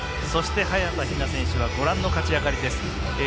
そして早田ひな選手はご覧の勝ち上がりです。